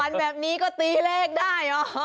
แบบนี้ก็ตีเลขได้เหรอ